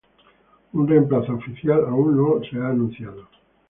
Un reemplazo oficial aún no ha sido anunciado.